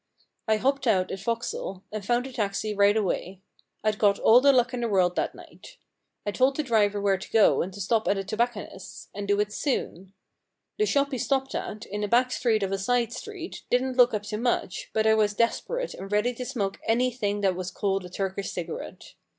I hopped out at Vauxhall and found a taxi right away — I'd got all the luck in the world that night. I told the driver where to go and 226 The Pig Keeper's Problem to stop at a tobacconist's, and do it soon. The shop he stopped at, in a back street ofF a side street, didn't look up to much, but I was desperate and ready to smoke anything that was called a Turkish cigarette.